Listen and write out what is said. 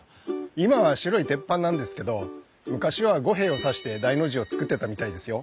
今は白い鉄板なんですけど昔は御幣を挿して大の字を作ってたみたいですよ。